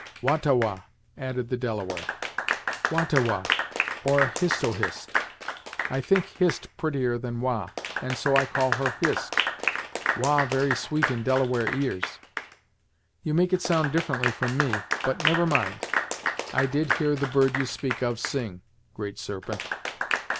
"Wah ta Wah," added the Delaware. "Wah ta Wah, or Hist oh Hist. I think Hist prettier than Wah, and so I call her Hist." "Wah very sweet in Delaware ears!" "You make it sound differently from me. But, never mind, I did hear the bird you speak of sing, Great Serpent."